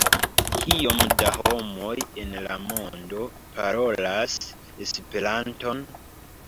Kiom da homoj en la mondo parolas Esperanton?